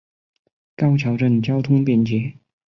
高桥镇交通便捷。